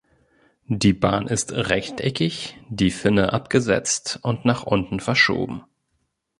Die Bahn ist rechteckig, die Finne abgesetzt und nach unten verschoben.